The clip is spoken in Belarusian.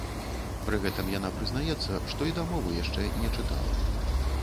Пры гэтым яна прызнаецца, што і дамову яшчэ не чытала.